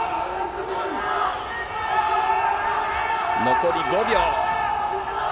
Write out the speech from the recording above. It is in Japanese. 残り５秒。